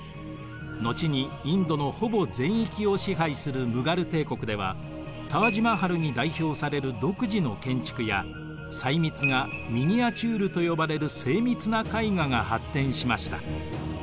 後にインドのほぼ全域を支配するムガル帝国ではタージ・マハルに代表される独自の建築や細密画ミニアチュールと呼ばれる精密な絵画が発展しました。